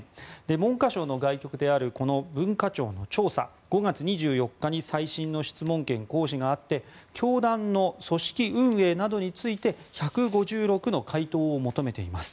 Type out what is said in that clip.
文科省の外局である文化庁の調査５月２４日に最新の質問権行使があって教団の組織運営などについて１５６の回答を求めています。